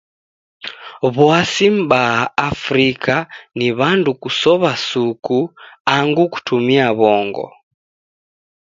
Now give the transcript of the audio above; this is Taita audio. W'asi mbaa Afrika ni w'andu kusow'a suku angu kutumia w'ongo.